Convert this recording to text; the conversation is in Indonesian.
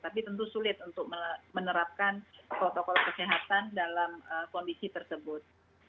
tapi tentu sulit untuk menerapkan protokol kesehatan dalam kondisi tersebut